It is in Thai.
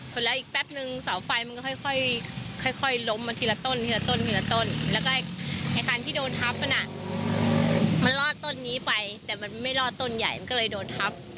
แล้วอีกแป๊บนึงเสาไฟมันก็ค่อยล้มมาทีละต้นทีละต้นทีละต้นแล้วก็ไอ้คันที่โดนทับมันอ่ะมันรอดต้นนี้ไปแต่มันไม่รอดต้นใหญ่มันก็เลยโดนทับ